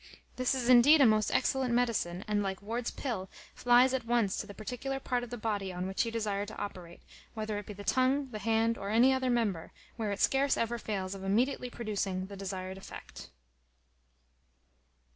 This is indeed a most excellent medicine, and, like Ward's pill, flies at once to the particular part of the body on which you desire to operate, whether it be the tongue, the hand, or any other member, where it scarce ever fails of immediately producing the desired effect.